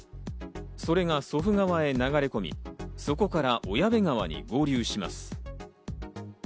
それが祖父川へ流れ込み、そこから小矢部川に合流します。